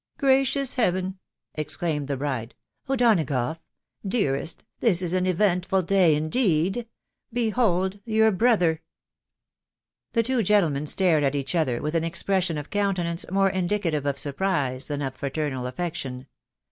" Gracious heaven !." exclaimed the bride, u O'Donagough, dearest, this is an eventful day, indeed .♦.. Behold your brother !" The two gentlemen stared at each other with an expression of countenance more indicative of surprise than of fraternal affection